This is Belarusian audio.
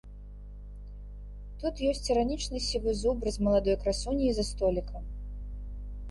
Тут ёсць іранічны сівы зубр з маладой красуняй за столікам.